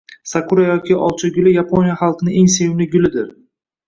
Sakura yoki olcha guli Yaponiya xalqining eng sevimli guli